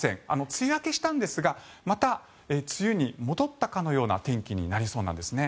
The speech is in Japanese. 梅雨明けしたんですがまた梅雨に戻ったかのような天気になりそうなんですね。